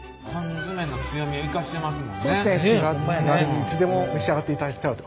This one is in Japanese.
手軽にいつでも召し上がっていただけたらと。